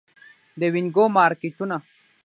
د وینګو مارکیټونه